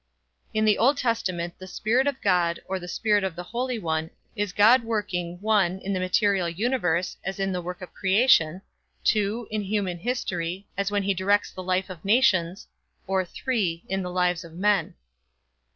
In the Old Testament the "spirit of God" or the "spirit of the Holy One" is God working (1) in the material universe, as in the work of creation, (2) in human history, as when he directs the life of nations, or (3) in the lives of men.